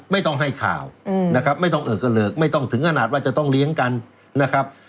ไม่ต้องให้ข่าวนะครับไม่ต้องเอิกกระเหลิกไม่ต้องถึงขนาดว่าจะต้องเลี้ยงกันนะครับ